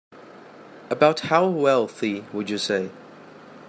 About how wealthy would you say?